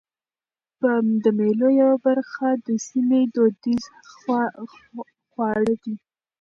د مېلو یوه برخه د سیمي دودیز خواړه دي.